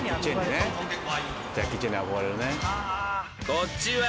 ［こっちは］